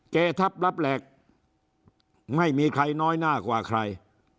เกทับรับแหลกไม่มีใครน้อยหน้ากว่าใคร